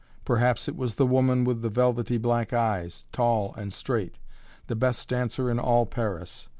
Perhaps it was the woman with the velvety black eyes tall and straight the best dancer in all Paris.